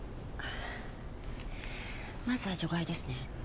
まずは除外ですね。